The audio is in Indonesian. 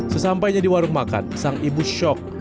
sesampainya di warung makan sang ibu shock